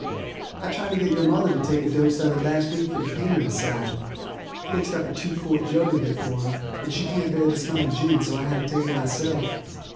I tried to get your mother to take a dost of it last week for the pain in her side. Fixed up a two quart jug of it for her, but she can't bear the smell of gin so I had to take it myself.